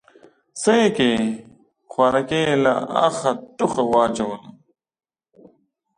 _څه يې کوې، خوارکی يې له اخه ټوخه واچوله.